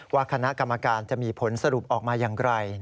ว่าคณะกรรมการจะมีผลสรุปออกมาอย่างไร